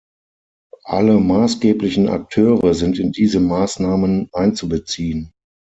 Alle maßgeblichen Akteure sind in diese Maßnahmen einzubeziehen.